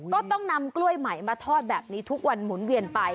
ก็ต้องนำกล้วยใหม่มาทอดแบบนี้ทุกวันหมุนเวียนไป